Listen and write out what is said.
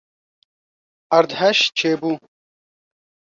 Erdhej çêbû?